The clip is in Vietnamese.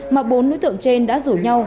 mà bốn đối tượng trên đã rủ nhau